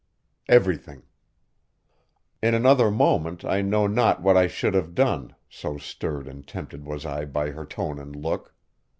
"Everything." In another moment I know not what I should have done, so stirred and tempted was I by her tone and look.